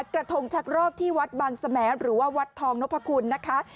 กระทงชักรอกที่วัดบางสมหรือว่าวัดทองนพคุณนะคะ